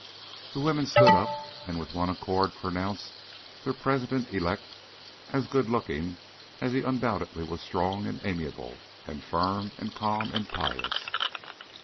The women stood up, and with one accord pronounced their President elect as good looking as he undoubtedly was strong and amiable and firm and calm and pious.